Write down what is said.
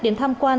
đến tham quan